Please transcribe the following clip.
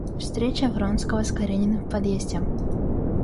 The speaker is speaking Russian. Встреча Вронского с Карениным в подъезде.